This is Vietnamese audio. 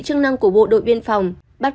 chức năng của bộ đội biên phòng bắt